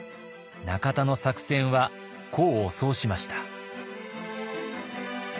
中田の作戦は功を奏しました。